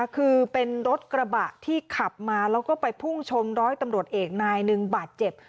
คือเป็นรถกระบะที่ขับมาแล้วก็ไปพุ่งชนร้อยตำรวจเอกนายหนึ่งบาดเจ็บ